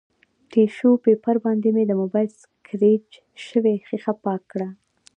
ټیشو پیپر باندې مې د مبایل سکریچ شوې ښیښه پاکه کړه